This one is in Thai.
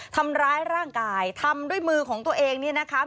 ทำร้ายร่างกายทำด้วยมือของตัวเองเนี่ยนะคะ